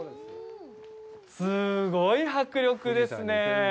すごい迫力ですねえ。